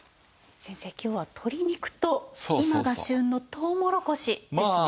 先生今日は鶏肉と今が旬のとうもろこしですね。